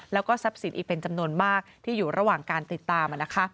แล้วก็ทรัพย์สินอีกเป็นจำนวนมากที่อยู่ระหว่างการติดตาม